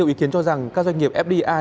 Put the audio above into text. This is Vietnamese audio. có nhiều ý kiến cho rằng các doanh nghiệp fdi